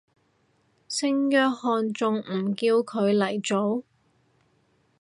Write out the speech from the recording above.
聖約翰仲唔叫佢嚟做